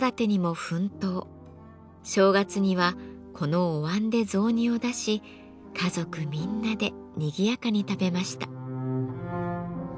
正月にはこのお椀で雑煮を出し家族みんなでにぎやかに食べました。